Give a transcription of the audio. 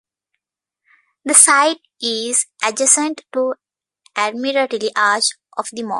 The site is adjacent to Admiralty Arch, off The Mall.